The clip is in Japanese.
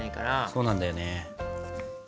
そうなんだよね。